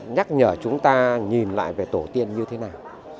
nhắc nhở chúng ta nhìn lại về tổ tiên như thế nào